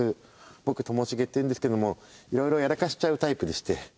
僕ともしげっていうんですけどもいろいろやらかしちゃうタイプでして。